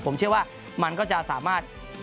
ผมเชื่อว่ามันก็จะสามารถ